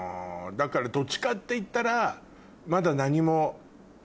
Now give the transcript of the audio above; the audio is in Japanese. だからどっちかっていったら。